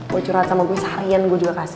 gue curhat sama gue seharian gue juga kasih